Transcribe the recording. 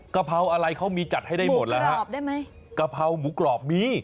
กะเพราอะไรเขามีจัดให้ได้หมดละครับหมูกรอบได้มั้ยกะเพราหมูกรอบมี